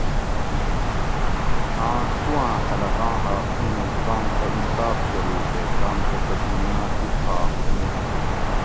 چھاں تُوآں خلقاں حاق اِینوں تام سہ انصاف کۤری تے تام کہ تسوں مناسب حاق دی